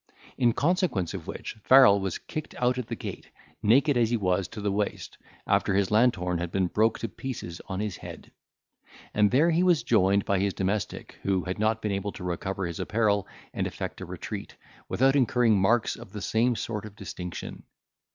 In consequence of which, Farrel was kicked out at the gate, naked as he was to the waist, after his lanthorn had been broke to pieces on his head; and there he was joined by his domestic, who had not been able to recover his apparel and effect a retreat, without incurring marks of the same sort of distinction.